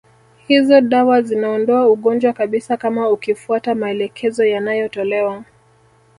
Hizo dawa zinaondoa ugonjwa kabisa kama ukifuata maelekezo yanayotolewa